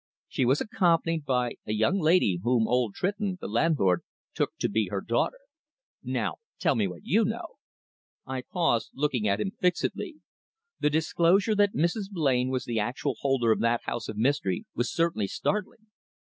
"She was accompanied by a young lady, whom old Tritton, the landlord, took to be her daughter. Now, tell me what you know." I paused, looking at him fixedly. The disclosure that Mrs. Blain was the actual holder of that house of mystery was certainly startling.